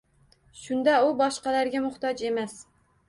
Shunda u boshqalarga muhtoj emas.